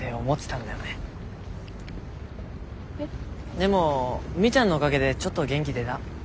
でもみーちゃんのおかげでちょっと元気出だ。